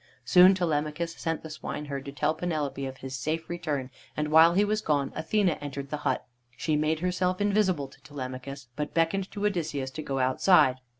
Soon Telemachus sent the swineherd to tell Penelope of his safe return, and while he was gone Athene entered the hut. She made herself invisible to Telemachus, but beckoned to Odysseus to go outside.